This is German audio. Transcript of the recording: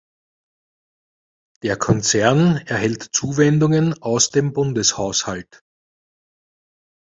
Der Konzern erhält Zuwendungen aus dem Bundeshaushalt.